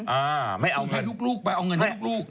เอ้าไม่เอาเครื่องมั่วตัวเงินไปเอาเงินให้ลูก